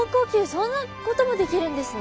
そんなこともできるんですね。